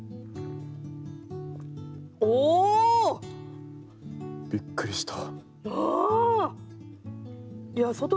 おお！びっくりした。